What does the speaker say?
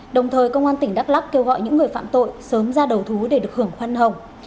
đồng thời công an tỉnh đắk lắc kêu gọi những người phạm tội sớm ra đầu thú để được hưởng khoan hồng